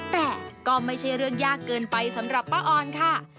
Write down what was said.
แต่ก็ไม่ใช่เรื่องยากเกินไปสำหรับป้าออนค่ะ